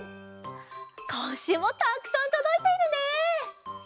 こんしゅうもたっくさんとどいているね。